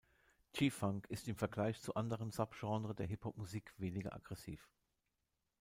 G-Funk ist im Vergleich zu anderen Subgenre der Hip-Hop-Musik weniger aggressiv.